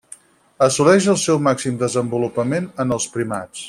Assoleix el seu màxim desenvolupament en els primats.